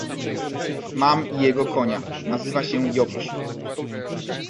"Mam jego konia... nazywa się Jowisz."